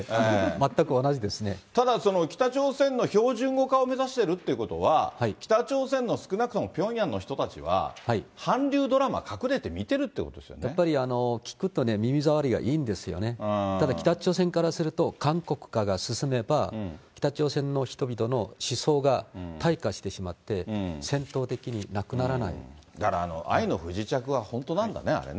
ただ、北朝鮮の標準語化を目指しているっていうことは、北朝鮮の少なくともピョンヤンの人たちは、韓流ドラマ、やっぱり、聴くと耳障りがいいんですよね、ただ、北朝鮮からすると、韓国化が進めば、北朝鮮の人々の思想が退化してしまって、だから、愛の不時着は本当なんだね、あれね。